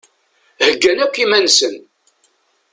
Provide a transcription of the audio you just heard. Heggan akk iman-nsen.